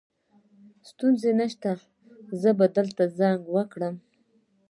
ستونزه نشته زه به درته زنګ وکړم